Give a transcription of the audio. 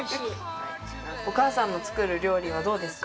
お母さんの作る料理はどうですか？